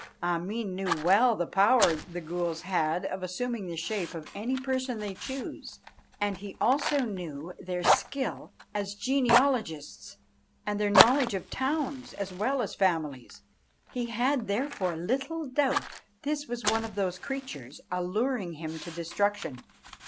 Ameen knew well the power the ghools had of assuming the shape of any person they choose; and he also knew their skill as genealogists, and their knowledge of towns as well as families; he had therefore little doubt this was one of those creatures alluring him to destruction.